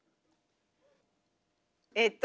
えっと。